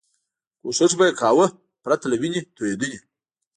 کوښښ به یې کاوه پرته له وینې توېدنې.